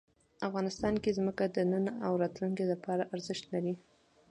افغانستان کې ځمکه د نن او راتلونکي لپاره ارزښت لري.